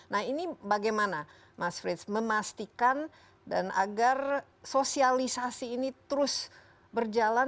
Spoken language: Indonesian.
nah ini bagaimana mas frits memastikan dan agar sosialisasi ini terus berjalan